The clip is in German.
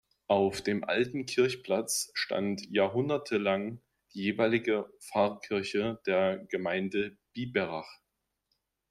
Auf dem alten Kirchplatz stand jahrhundertelang die jeweilige Pfarrkirche der Gemeinde Biberach.